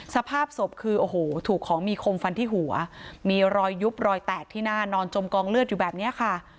สภาพศพคือโอ้โหถูกของมีคมฟันที่หัวมีรอยยุบรอยแตกที่หน้านอนจมกองเลือดอยู่แบบนี้ค่ะ